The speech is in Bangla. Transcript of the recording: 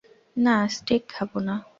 না, স্টেক খাবো না।